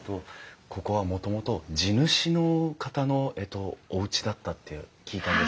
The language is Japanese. ここはもともと地主の方のえっとおうちだったって聞いたんですけれども。